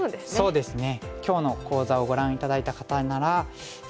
そうですね。